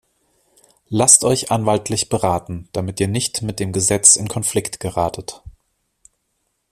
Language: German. Lasst euch anwaltlich beraten, damit ihr nicht mit dem Gesetz in Konflikt geratet.